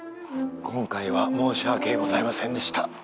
今回は申し訳ございませんでした。